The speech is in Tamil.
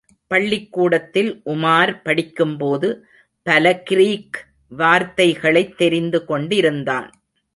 பள்ளிக் கூடத்தில் உமார் படிக்கும்போது, பல கிரீக் வார்த்தைகளைத் தெரிந்து கொண்டிருந்தான்.